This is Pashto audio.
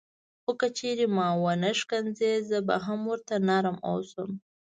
خو که چیرې ما ونه ښکنځي زه به هم ورته نرم اوسم.